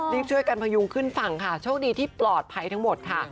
ช่วยกันพยุงขึ้นฝั่งค่ะโชคดีที่ปลอดภัยทั้งหมดค่ะ